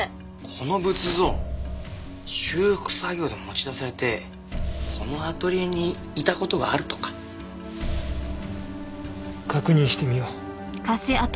この仏像修復作業で持ち出されてこのアトリエにいた事があるとか？確認してみよう。